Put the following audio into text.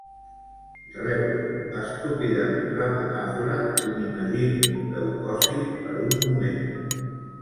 Reblo estúpidament la metàfora i m'imagino leucòcit per un moment.